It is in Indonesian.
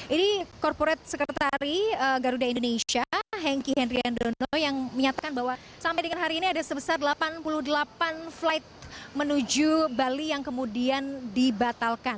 ini corporate secretary garuda indonesia hengki henryandono yang menyatakan bahwa sampai dengan hari ini ada sebesar delapan puluh delapan flight menuju bali yang kemudian dibatalkan